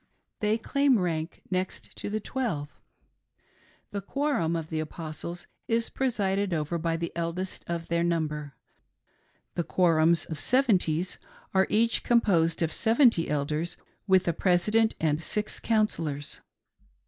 They claim rank next to the Twelve. The "Quorum of the Apostles" is THE FIRST PRESIDENCY AND THE PATRIARCH. 3OI presided over by the eldest of their number ; the " Quorums of Seventies " are each composed of seventy Elders with a "President" and six "Counsellors."